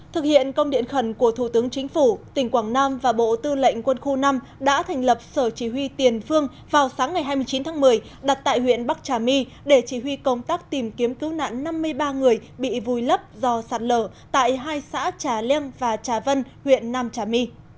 thực hiện công điện khẩn của thủ tướng chính phủ tỉnh quảng nam và bộ tư lệnh quân khu năm đã thành lập sở chỉ huy tiền phương vào sáng ngày hai mươi chín tháng một mươi đặt tại huyện bắc trà my để chỉ huy công tác tìm kiếm cứu nạn năm mươi ba người bị vùi lấp do sạt lở tại hai xã trà liêng và trà vân huyện nam trà my